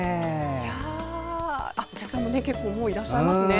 お客さんも結構いらっしゃいますね。